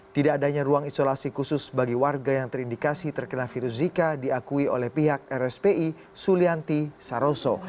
tidak adanya ruang isolasi khusus bagi warga yang terindikasi terkena virus zika diakui oleh pihak rspi sulianti saroso